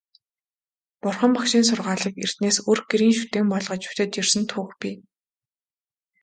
Бурхан Багшийн сургаалыг эртнээс өрх гэрийн шүтээн болгож шүтэж ирсэн түүх бий.